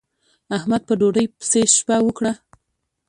احمد په ډوډۍ پسې شپه وکړه.